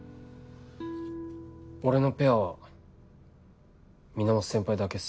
俺のペアは源先輩だけっす。